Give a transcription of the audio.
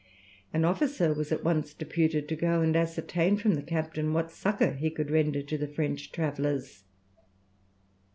An officer was at once deputed to go and ascertain from the captain what succour he could render to the French travellers.